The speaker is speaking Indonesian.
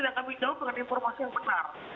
dan kami jawab dengan informasi yang benar